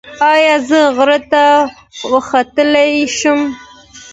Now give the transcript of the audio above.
ایا زه غره ته وختلی شم؟